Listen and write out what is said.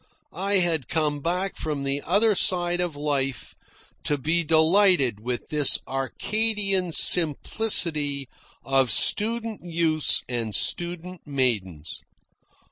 I had come back from the other side of life to be delighted with this Arcadian simplicity of student youths and student maidens.